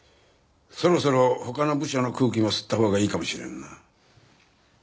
そろそろ他の部署の空気も吸ったほうがいいかもしれんな。